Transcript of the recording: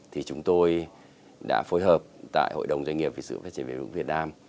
thì chúng tôi đã phối hợp tại hội đồng doanh nghiệp về sự phát triển bền vững việt nam